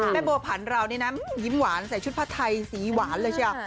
โบผันเรานี่นะยิ้มหวานใส่ชุดผ้าไทยสีหวานเลยเชียว